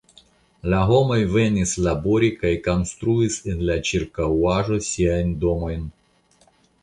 La homoj venis labori kaj konstruis en la ĉirkaŭaĵo siajn domojn.